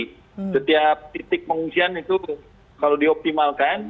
karena setiap titik pengungsian itu kalau dioptimalkan